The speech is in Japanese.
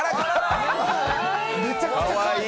めちゃくちゃかわいい。